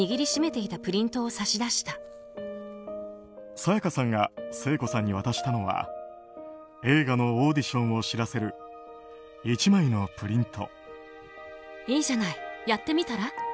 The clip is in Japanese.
沙也加さんが聖子さんに渡したのは映画のオーディションを知らせる１枚のプリント。